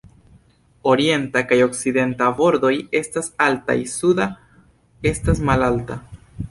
Orienta kaj okcidenta bordoj estas altaj, suda estas malalta.